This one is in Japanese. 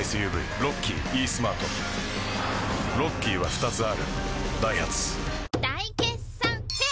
ロッキーイースマートロッキーは２つあるダイハツ大決算フェア